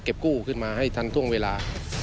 กู้ขึ้นมาให้ทันท่วงเวลา